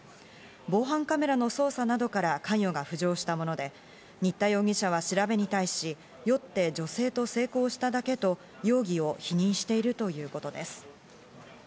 防犯カメラの捜査などから関与が浮上したもので、新田容疑者は調べに対し、酔って女性と性交しただけと容疑を否認しているということです。